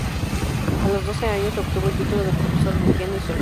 A los doce años obtuvo el título de profesora de piano y solfeo.